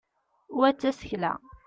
wa d tasekla